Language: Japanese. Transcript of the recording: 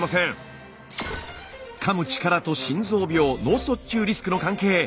かむ力と心臓病・脳卒中リスクの関係。